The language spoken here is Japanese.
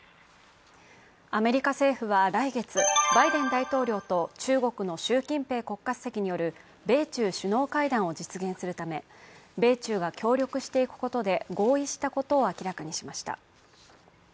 アメリカ政府は来月、バイデン大統領と中国の習近平国家主席による米中首脳会談を実現するため、米中は協力していくことで合意したことを明らかにしました。